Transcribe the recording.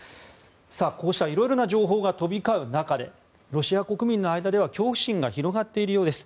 こうした色々な情報が飛び交う中でロシア国民の間では恐怖心が広がっているようです。